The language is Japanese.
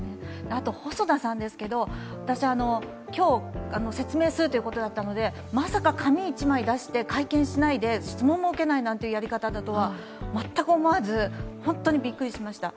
あと、細田さんですけれど今日、説明するということだったのでまさか紙一枚出して会見しないで、質問も受けないというやり方だとは全く思わず、本当にびっくりしました。